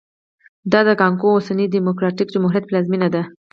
دا د کانګو اوسني ډیموکراټیک جمهوریت پلازمېنه ده